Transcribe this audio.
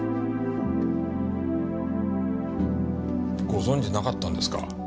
ご存じなかったんですか？